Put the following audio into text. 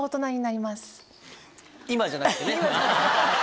今じゃなくてね。